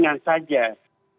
maka itu harus dikonsumsi